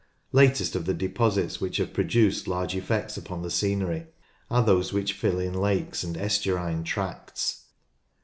Latest of the deposits which have produced large effects upon the scenery are those which fill in lakes and estuarinc tracts.